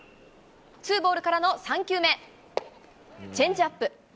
ツーボールからの３球目チェンジアップ。